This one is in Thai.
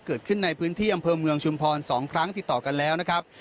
เกิดขึ้นในพื้นที่อำเภอเมืองชุมพร๒ครั้งติดต่อกันแล้วนะครับ